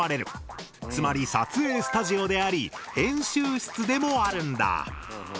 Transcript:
つまり撮影スタジオであり編集室でもあるんだ。